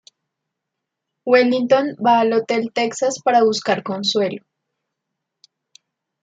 Wellington va al Hotel Texas para buscar consuelo.